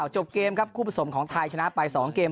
จบเกมครับคู่ผสมของไทยชนะไป๒เกม